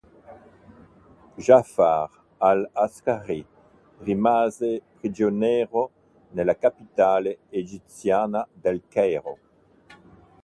Jaʿfar al-ʿAskarī rimase prigioniero nella capitale egiziana del Cairo.